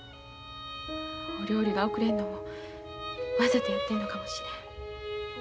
お料理が遅れんのもわざとやってんのかもしれん。